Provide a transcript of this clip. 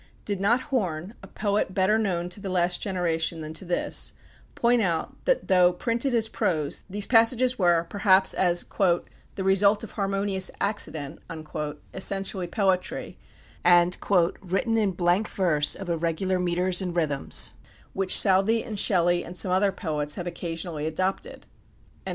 Did not Horne, a poet better known to the last generation than to this, point out that though printed as prose, these passages were, perhaps as "the result of harmonious accident," essentially poetry, and "written in blank verse of irregular metres and rhythms, which Southey and Shelley and some other poets have occasionally adopted"?